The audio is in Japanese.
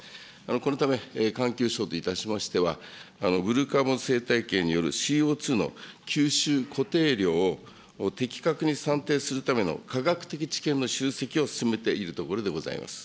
このため、環境省といたしましては、ブルーカーボン生態系によるＣＯ２の吸収固定量を的確に算定するための、科学的知見の集積を進めているところでございます。